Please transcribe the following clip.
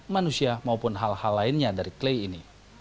manusia maupun hal hal lainnya dari klay ini